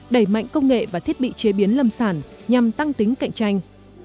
đẩy mạnh công nghệ và thiết bị chế biến lâm sản nhằm tăng tính cạnh tranh